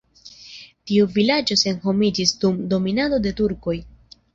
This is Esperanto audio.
Tiu vilaĝo senhomiĝis dum dominado de turkoj.